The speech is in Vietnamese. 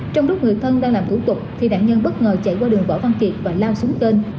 trong lúc người thân đang làm thủ tục thì nạn nhân bất ngờ chạy qua đường võ văn kiệt và lao xuống kênh